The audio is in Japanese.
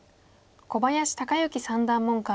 小林孝之三段門下。